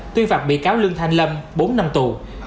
tuyên phạt bị cáo lương thanh lâm bốn năm tù